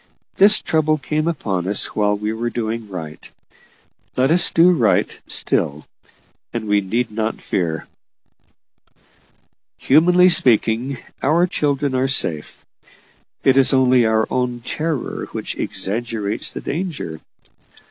This trouble came upon us while we were doing right; let us do right still, and we need not fear. Humanly speaking, our children are safe; it is only our own terror which exaggerates the danger.